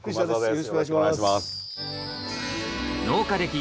よろしくお願いします。